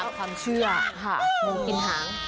ตามความเชื่องูกินหาง